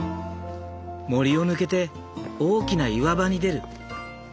森を抜けて大きな岩場に出る。